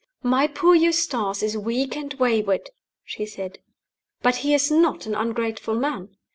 "My poor Eustace is weak and wayward," she said; "but he is not an ungrateful man.